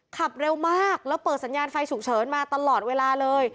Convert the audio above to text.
ขับเร็วมากแล้วเปิดสัญญาณไฟฉุกเฉินมาตลอดเวลาเลย